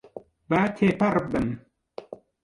با تێپەڕبم.